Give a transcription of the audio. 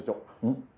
ん？